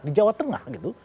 di jawa tengah gitu